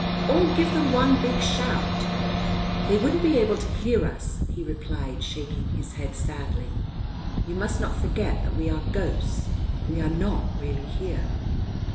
"All give them one big shout?" "They wouldn't be able to hear us," he replied, shaking his head sadly. " You must not forget that we are ghosts. We are not really here."